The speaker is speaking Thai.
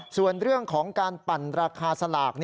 ส่วนเรื่องของการปั่นราคาสลาก